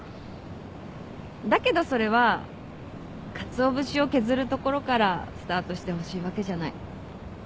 だけどそれはかつお節を削るところからスタートしてほしいわけじゃない。